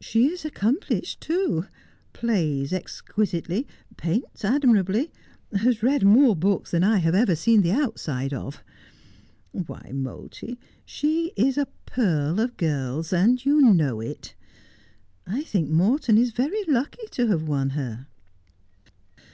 She is accomplished too — plays exquisitely, paints admirably, has read more books than I have ever seen the outside of. Why, Moulty. she is a pearl of girls, and you know it. I think Morton is very lucky to have won her.'